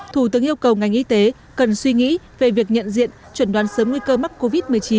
thủ tướng yêu cầu ngành y tế cần suy nghĩ về việc nhận diện chuẩn đoán sớm nguy cơ mắc covid một mươi chín